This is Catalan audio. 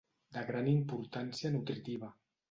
De gran importància nutritiva.